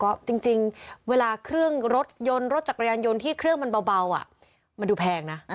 ก็จริงเวลาเครื่องรถยนต์รถจักรยานยนต์ที่เครื่องมันเบามันดูแพงนะ